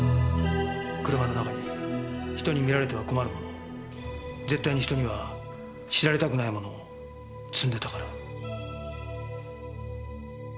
車の中に人に見られては困るもの絶対に人には知られたくないものを積んでたから。